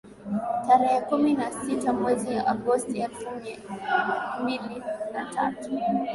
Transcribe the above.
tarehe kumi na sita mwezi Agosti elfu mbili na tatu